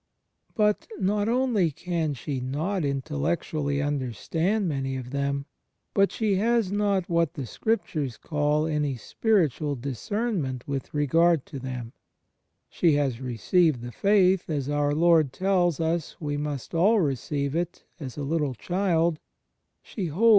But, not only can she not intellectually imder stand many of them but she has not what the Scrip tures call any "spiritual discernment"* with regard to them. She has received the Faith, as our Lord tells us we must all receive it, as a "little child":* she holds ^I John iv : i; I Cor. xii, etc. *Mark z: 15; Luke zviii : 17.